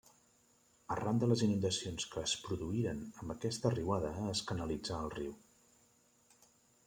Arran de les inundacions que es produïren amb aquesta riuada es canalitzà el riu.